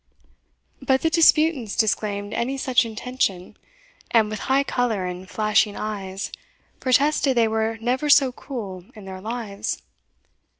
Both the disputants disclaimed any such intention, and, with high colour and flashing eyes, protested they were never so cool in their lives.